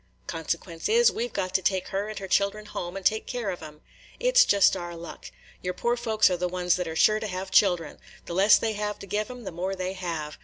Consequence is, we 've got to take her and her children home and take care of 'em. It 's just our luck. Your poor folks are the ones that are sure to have children, – the less they have to give 'em, the more they have.